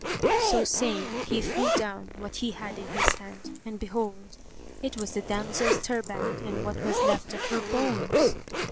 So saying, he threw down what he had in his hand, and behold, it was the damsel's turband and what was left of her bones.